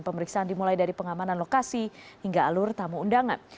pemeriksaan dimulai dari pengamanan lokasi hingga alur tamu undangan